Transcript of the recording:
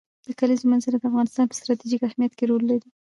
د کلیزو منظره د افغانستان په ستراتیژیک اهمیت کې رول لري.